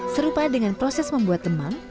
serupa dengan proses membuat temang